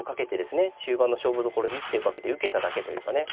中盤の勝負どころで一手をかけて受けただけというかね